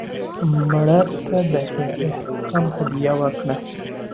مړه ته د احسان هدیه وکړه